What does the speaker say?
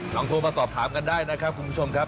โทรมาสอบถามกันได้นะครับคุณผู้ชมครับ